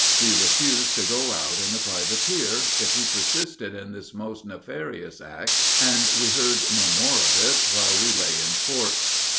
We refused to go out in the privateer, if he persisted in this most nefarious act, and we heard no more of it while we lay in port.